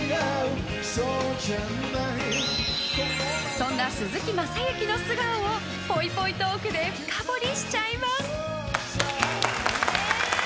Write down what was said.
そんな鈴木雅之の素顔をぽいぽいトークで深掘りしちゃいます。